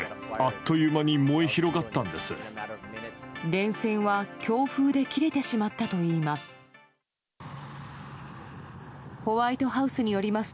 電線は強風で切れてしまったといいます。